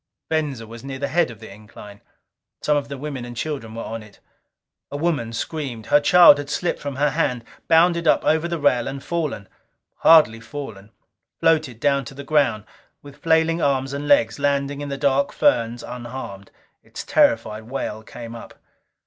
Venza was near the head of the incline. Some of the women and children were on it. A woman screamed. Her child had slipped from her hand; bounded up over the rail and fallen. Hardly fallen floated down to the ground, with flailing arms and legs, landing in the dark ferns unharmed. Its terrified wail came up.